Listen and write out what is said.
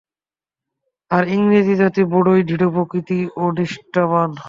আর ইংরেজ জাতি বড়ই দৃঢ়প্রকৃতি ও নিষ্ঠাবান্।